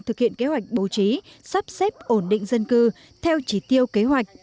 thực hiện kế hoạch bố trí sắp xếp ổn định dân cư theo chỉ tiêu kế hoạch